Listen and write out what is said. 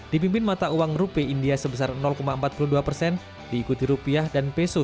di pimpin mata uang rupiah india sebesar empat puluh dua persen diikuti rupiah dan peso fiba